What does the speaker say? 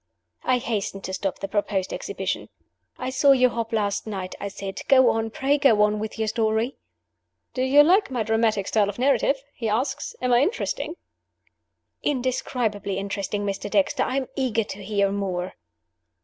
I hastened to stop the proposed exhibition. "I saw you hop last night," I said. "Go on! pray go on with your story! "Do you like my dramatic style of narrative?" he asked. "Am I interesting?" "Indescribably interesting, Mr. Dexter. I am eager to hear more."